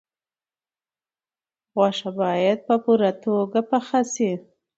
غوښه باید په پوره توګه پاخه شي.